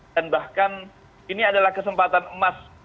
dan bahkan ini adalah kesempatan emas